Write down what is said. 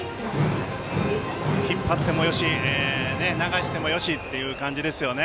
引っ張ってもよし流してもよしという感じですよね。